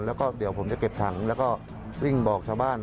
แล้วก็เดี๋ยวผมจะเก็บถังแล้วก็วิ่งบอกชาวบ้าน